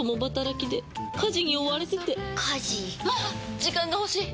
時間が欲しい！